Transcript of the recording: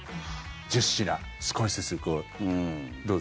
１０品、少しずつ、こう。